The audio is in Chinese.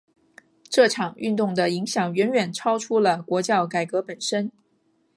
这场运动的影响远远超出了国教改革本身。